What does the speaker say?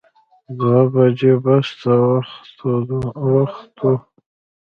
دوه بجې بس ته وختو.